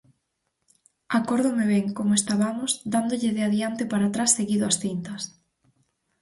Acórdome ben, como estabamos, dándolle de adiante para atrás seguido ás cintas.